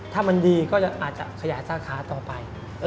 ถ้ามันดีก็อาจจะขยายสาขาต่อไป